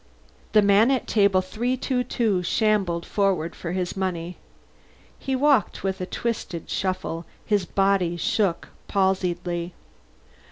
The man at Table 322 shambled forward for his money. He walked with a twisted shuffle; his body shook palsiedly.